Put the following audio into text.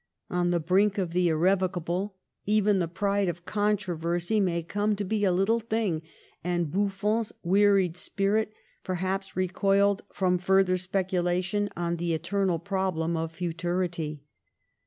On the brink of the irrevocable, even the pride of controversy may come to be a little thing ; and Buffon's wearied spirit perhaps recoiled from fur ther speculation on the eternal problem of futu rity.